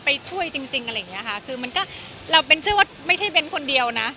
ไปช่วยจริงจริงอะไรอย่างเงี้ยค่ะคือมันก็เราเบ้นเชื่อว่าไม่ใช่เบ้นคนเดียวนะ